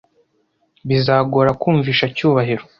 Bizagora kumvisha Cyubahiro.